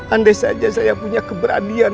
andai saja saya punya keberanian